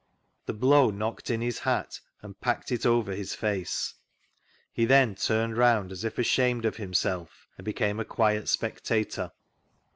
The blow knoclred in his hat and packed it over his face. He then turned round as if ashamed of himself and became a quiet spectator.